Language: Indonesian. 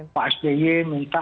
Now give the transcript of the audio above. pak sdi minta